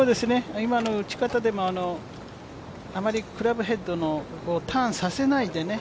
今の打ち方でも、あまりクラブヘッドのターンさせないでね